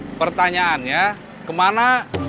nah pertanyaannya kemana